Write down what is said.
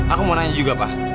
aku mau nanya juga pak